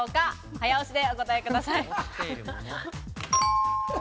早押しでお答えください。